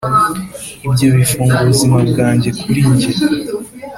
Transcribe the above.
ibyo bifunga ubuzima bwanjye kuri njye.